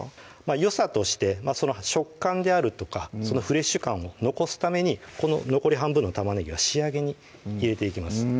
よさとして食感であるとかフレッシュ感を残すためにこの残り半分の玉ねぎは仕上げに入れていきます